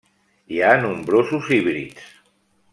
Hi ha nombrosos híbrids.